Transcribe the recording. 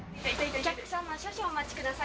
お客様、少々お待ちください。